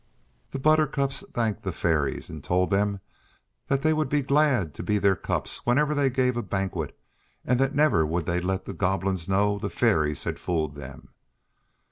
The Buttercups thanked the Fairies and told them they would be glad to be their cups whenever they gave a banquet and that never would they let the Goblins know the Fairies had fooled them.